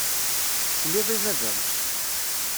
Tesliḍ i baba-m.